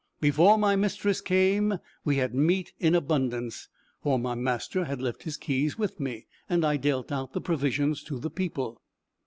Before my mistress came, we had meat in abundance, for my master had left his keys with me, and I dealt out the provisions to the people.